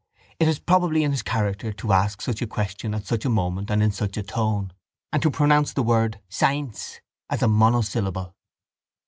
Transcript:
It is probably in his character to ask such a question at such a moment in such a tone and to pronounce the word science as a monosyllable.